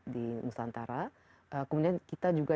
di nusantara kemudian kita juga